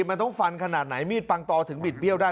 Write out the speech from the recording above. มันต้องฟันขนาดไหนมีดปังตอถึงบิดเบี้ยวได้